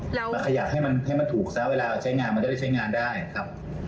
มาขยะให้มันให้มันถูกซะเวลาใช้งานมันก็ได้ใช้งานได้ครับ